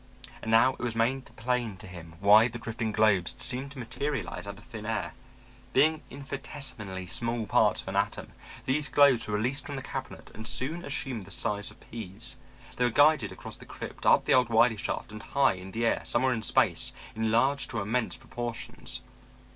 And now it was made plain to him why the drifting globes had seemed to materialize out of thin air. Being infinitesimally small parts of an atom, these globes were released from the cabinet and soon assumed the size of peas; they were guided across the crypt, up the old Wiley shaft, and high in the air, somewhere in space, enlarged to immense proportions.